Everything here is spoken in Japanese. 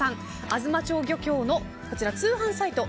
東町漁協の通販サイト